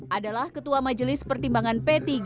adalah ketua majelis pertimbangan p tiga